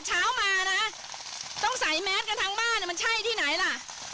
เช้ามานะต้องใส่แมสกันทั้งบ้านมันใช่ที่ไหนล่ะ